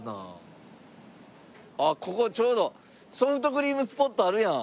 あっここちょうどソフトクリームスポットあるやん。